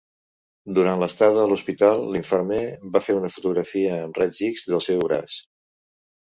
Durant l'estada a l'hospital, l'infermer va fer una fotografia amb raigs X del seu braç.